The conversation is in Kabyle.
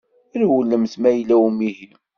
Rewlemt ma yella umihi.